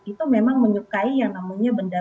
itu memang menyukai yang namanya benda